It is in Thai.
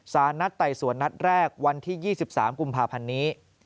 สารนัดไต่สวนนัดแรกวันที่๒๓กุมภาพันธ์นี้